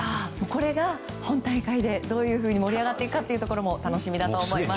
これが今大会でどういうふうに盛り上がっていくかも楽しみだと思います。